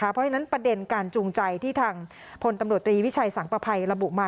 เพราะฉะนั้นประเด็นการจูงใจที่ทางพลตำรวจตรีวิชัยสังประภัยระบุมา